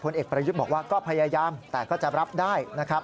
เอกประยุทธ์บอกว่าก็พยายามแต่ก็จะรับได้นะครับ